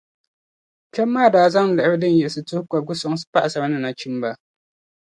Kpem maa daa zaŋ liɣiri din yiɣisi tuhi kobiga soŋsi pagisara ni nachimba.